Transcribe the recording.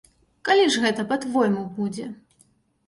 Калі ж гэта па-твойму будзе?